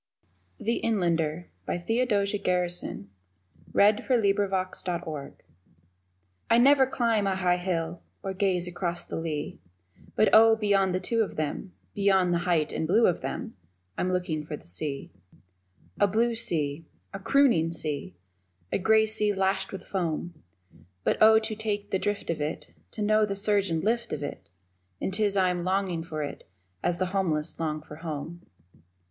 our longing, hear no sound Of Love's returning feet. THE INLANDER I never climb a high hill Or gaze across the lea, But, Oh, beyond the two of them, Beyond the height and blue of them, I'm looking for the sea. A blue sea a crooning sea A grey sea lashed with foam But, Oh, to take the drift of it, To know the surge and lift of it, And 'tis I am longing for it as the homeless long for home.